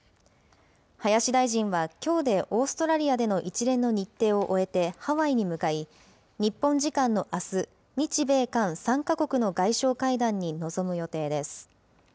林大臣は、きょうでオーストラリアでの一連の日程を終えてハワイに向かい、日本時間のあす、日米韓３か国の外相会談に臨む予定です。